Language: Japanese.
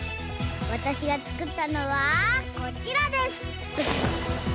わたしがつくったのはこちらです！